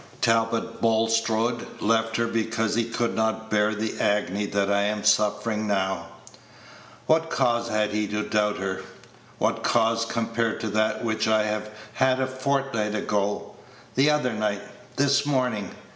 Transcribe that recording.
Talbot Bulstrode left her because he could not bear the agony that I am suffering now. What cause had he to doubt her? What cause compared to that which I have had a fortnight ago the other night this morning?